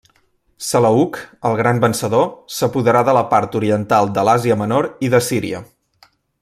Seleuc, el gran vencedor, s'apoderà de la part oriental de l'Àsia Menor i de Síria.